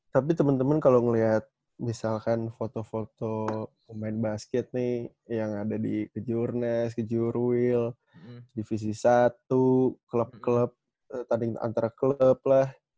tapi temen temen kalau ngeliat misalkan foto foto pemain basket nih yang ada di kejurnes kejurwil divisi satu klub klub tanding antara klub lah